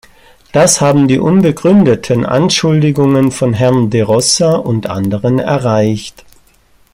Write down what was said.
Das haben die unbegründeten Anschuldigungen von Herrn De Rossa und anderen erreicht.